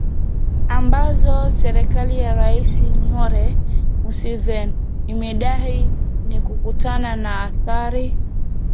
ambazo serikali ya Rais Yoweri Museveni imedai ni kutokana na athari